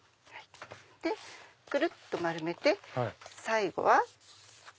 くるっと丸めて最後は。